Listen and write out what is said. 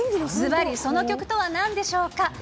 ずばりその曲とはなんでしょうか。